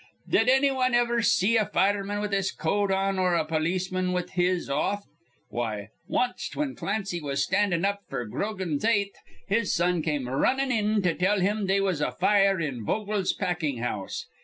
Did anny wan iver see a fireman with his coat on or a polisman with his off? Why, wanst, whin Clancy was standin' up f'r Grogan's eighth, his son come runnin' in to tell him they was a fire in Vogel's packin' house.